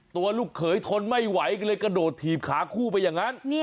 ลูกเขยทนไม่ไหวก็เลยกระโดดถีบขาคู่ไปอย่างนั้น